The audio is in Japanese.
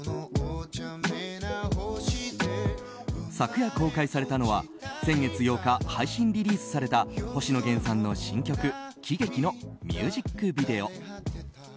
今朝、公開されたのは先月８日、配信リリースされた星野源さんの新曲「喜劇」のミュージックビデオ。